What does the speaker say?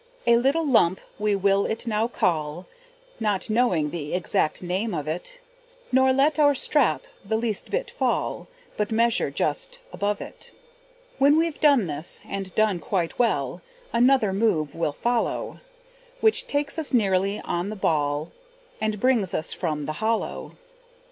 A little lump we will it now call, Not knowing the exact name of it; Nor let our strap the least bit fall, But measure just above it. When we've done this, and done quite well, Another move will follow, Which takes us nearly on the ball, And brings us from the hollow.